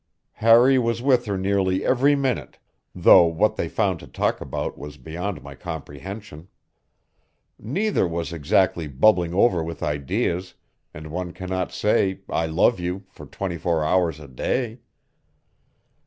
Harry was with her nearly every minute, though what they found to talk about was beyond my comprehension. Neither was exactly bubbling over with ideas, and one cannot say "I love you" for twenty four hours a day.